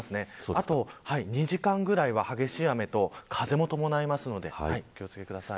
あと２時間ぐらいは激しい雨と風も伴いますお気を付けください。